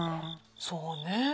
そうね。